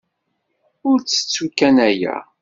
Ur ttettu kan aya.